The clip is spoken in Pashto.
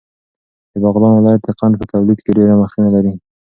د بغلان ولایت د قند په تولید کې ډېره مخینه لري.